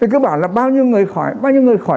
cứ bảo là bao nhiêu người khỏi bao nhiêu người khỏi